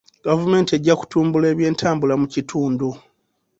Gavumenti ejja kutumbula ebyentambula mu kitundu.